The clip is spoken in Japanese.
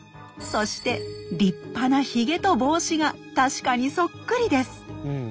そして立派なひげと帽子が確かにそっくりです！